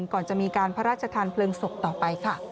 ก่อนจะมีการพระราชทานเพลิงศพต่อไปค่ะ